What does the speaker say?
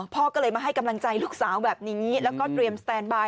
พ่อก็เลยมาให้กำลังใจลูกสาวแบบนี้แล้วก็เตรียมสแตนบาย